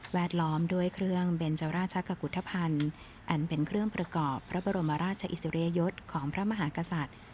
ล้อมด้วยเครื่องเบนจราชกุธภัณฑ์อันเป็นเครื่องประกอบพระบรมราชอิสริยยศของพระมหากษัตริย์